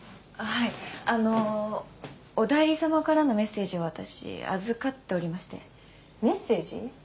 はいあのおだいり様からのメッセージを私預かっておりましてメッセージ？